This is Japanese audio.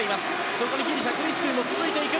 そこにギリシャクリストゥも続いていく。